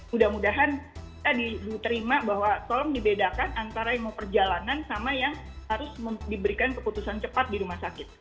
mudah mudahan kita diterima bahwa tolong dibedakan antara yang mau perjalanan sama yang harus diberikan keputusan cepat di rumah sakit